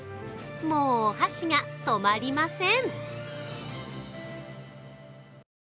もう、お箸が止まりません。